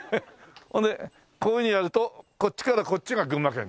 ほんでこういうふうにやるとこっちからこっちが群馬県です。